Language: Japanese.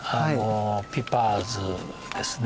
ピパーズですね。